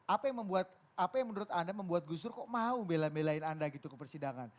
apa yang membuat apa yang menurut anda membuat gus dur kok mau bela belain anda gitu ke persidangan